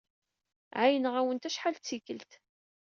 Ɛeyyneɣ-awent acḥal d tikkelt.